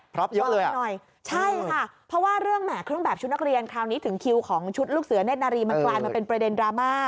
เพราะเยอะเลยหน่อยใช่ค่ะเพราะว่าเรื่องแห่เครื่องแบบชุดนักเรียนคราวนี้ถึงคิวของชุดลูกเสือเนธนารีมันกลายมาเป็นประเด็นดราม่า